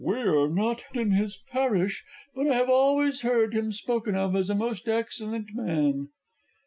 We are not in his parish, but I have always heard him spoken of as a most excellent man.